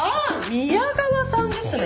宮川さんですね。